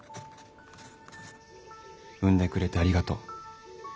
生んでくれてありがとう。